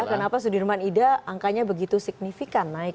kenapa sudirman ida angkanya begitu signifikan naik